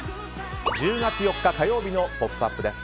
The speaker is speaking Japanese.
１０月４日、火曜日の「ポップＵＰ！」です。